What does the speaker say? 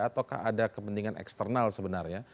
ataukah ada kepentingan eksternal sebenarnya